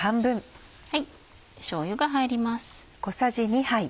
しょうゆが入ります。